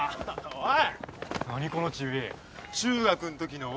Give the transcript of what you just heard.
おい。